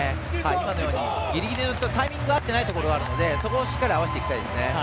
今のようにギリギリタイミング合ってないところがあるのでそこをしっかり合わせていきたいですね。